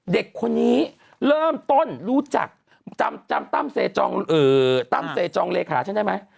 เด็กคนนี้เริ่มต้นรู้จักจำตั้มตั้มเซจองเลขาฉันได้ไหม